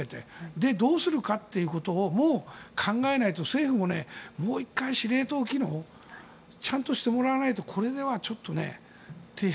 で、どうするかということも考えないと政府ももう１回、司令塔機能をちゃんとしてもらわないとこれではちょっとっていう。